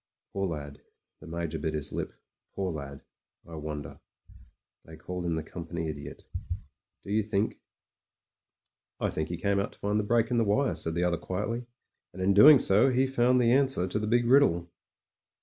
"Poor lad." The Major bit his lip. "Poor lad— I wonder. They called him the Company Idiot. Do you think ...?" PRIVATE MEYRICK— COMPANY IDIOT 75 "I think he came out to find the break in the wire," said the other quietly. "And in doing so he found the answer to the big riddle."